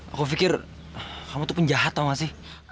aku pikir kamu itu penjahat tau gak sih